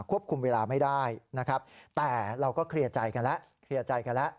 ควบคุมเวลาไม่ได้แต่เราก็เครียดใจกันแล้ว